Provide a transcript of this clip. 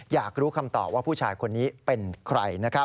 อยากรู้คำตอบว่าผู้ชายคนนี้เป็นใครนะครับ